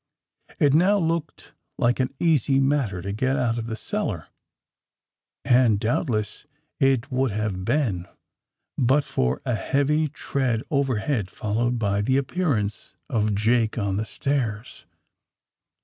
It now looked like an easy matter to get out of the cellar, and douhtless it would have been, but for a heavy tread overhead, followed by the appearance of Jake on the stairs.